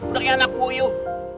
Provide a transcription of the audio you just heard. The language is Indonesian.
udah kayak anak puyuh